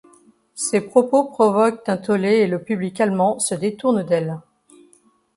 Ses propos provoquent un tollé et le public allemand se détourne d'elle.